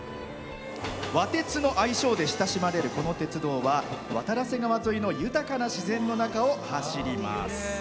「わ鐵」の愛称で親しまれるこの鉄道は渡良瀬川沿いの豊かな自然の中を走ります。